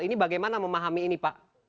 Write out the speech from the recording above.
ini bagaimana memahami ini pak